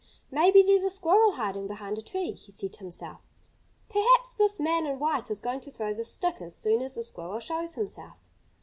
"Maybe there's a squirrel hiding behind a tree," he said to himself. "Perhaps this man in white is going to throw the stick as soon as the squirrel shows himself."